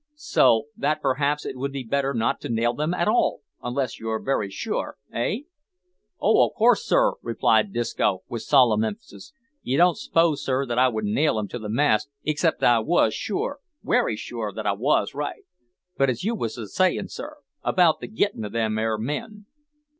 "So that perhaps, it would be better not to nail them at all, unless you're very sure eh?" "Oh, of course, sir," replied Disco, with solemn emphasis. "You don't suppose, sir, that I would nail 'em to the mast except I was sure, wery sure, that I wos right? But, as you wos a sayin', sir, about the gittin' of them 'ere men."